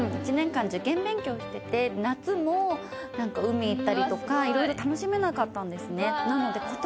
１年間夏も海行ったりとかいろいろ楽しめなかったんですね。